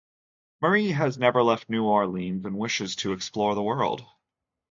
Marie has never left New Orleans and wishes to explore the world.